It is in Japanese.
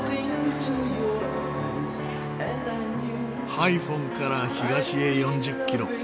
ハイフォンから東へ４０キロ。